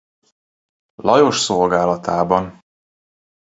Lajos szolgálatában.